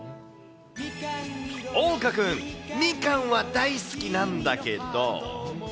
おうかくん、みかんは大好きなんだけど。